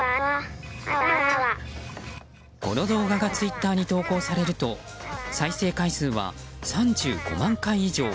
この動画がツイッターに投稿されると再生回数は３５万回以上。